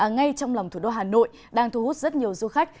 ngay trong lòng thủ đô hà nội đang thu hút rất nhiều du khách